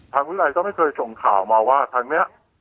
วิทยาลัยก็ไม่เคยส่งข่าวมาว่าทางนี้